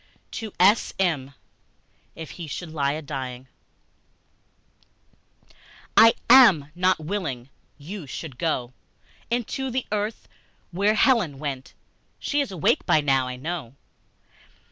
To S.M. IF HE SHOULD LIE A DYING I AM not willing you should go Into the earth, where Helen went; She is awake by now, I know.